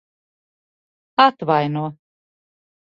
Atvaino.